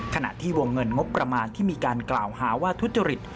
ขณะที่วงเงินงบประมาณที่มีการกล่าวหาว่าทุจริต